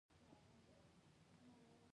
سیلابونه د افغانانو د ګټورتیا یوه مهمه برخه ده.